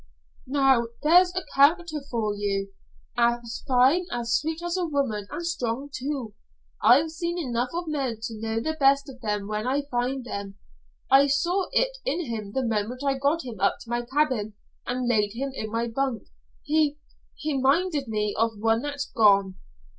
"Now there is a character for you, as fine and sweet as a woman and strong, too! I've seen enough of men to know the best of them when I find them. I saw it in him the moment I got him up to my cabin and laid him in my bunk. He he minded me of one that's gone."